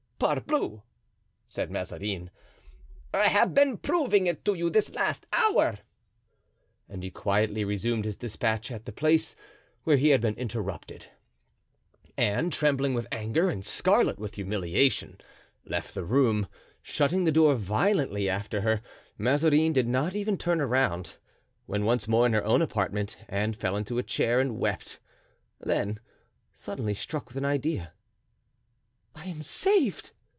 "Parbleu!" said Mazarin, "I have been proving it to you this last hour." And he quietly resumed his dispatch at the place where he had been interrupted. Anne, trembling with anger and scarlet with humiliation, left the room, shutting the door violently after her. Mazarin did not even turn around. When once more in her own apartment Anne fell into a chair and wept; then suddenly struck with an idea: "I am saved!"